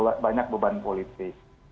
tidak terlalu banyak beban politik